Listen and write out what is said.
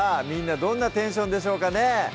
みんなどんなテンションでしょうかね？